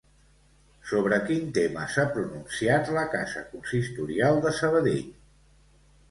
Sobre quin tema s'ha pronunciat la casa consistorial de Sabadell?